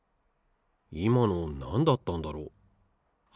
いまのなんだったんだろう？